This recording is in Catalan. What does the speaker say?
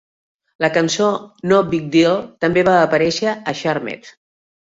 La cançó "No Big Deal" també va aparèixer a Charmed.